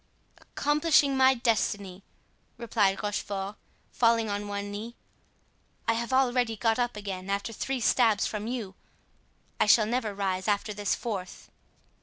"Accomplishing my destiny," replied Rochefort, falling on one knee. "I have already got up again after three stabs from you, I shall never rise after this fourth."